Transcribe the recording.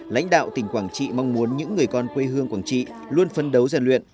lãnh đạo tỉnh quảng trị mong muốn những người con quê hương quảng trị luôn phân đấu giàn luyện